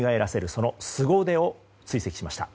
そのすご腕を追跡しました。